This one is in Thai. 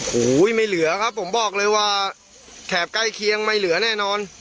สำคัญภายใจ